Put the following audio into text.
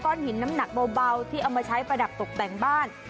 หินน้ำหนักเบาที่เอามาใช้ประดับตกแต่งบ้าน